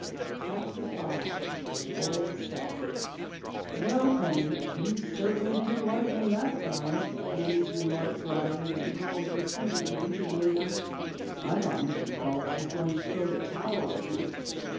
CHAPTER 5 OLD SETH "Well, Penny, you certainly drew lightning that time," Louise remarked dryly as the girls retreated to Leaping Lena. "I thought Mr. Phelps was going to throw the tower at you!"